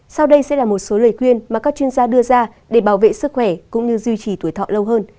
sau đây sẽ là một số lời khuyên mà các chuyên gia đưa ra để bảo vệ sức khỏe cũng như duy trì tuổi thọ lâu hơn